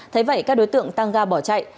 thấy vậy các đối tượng tăng ga bỏ chạy